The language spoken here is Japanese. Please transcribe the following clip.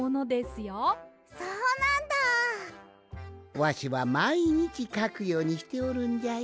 わしはまいにちかくようにしておるんじゃよ。